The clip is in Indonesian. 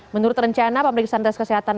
menurut rencana pemeriksaan tes kesehatan